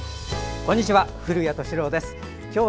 こんにちは。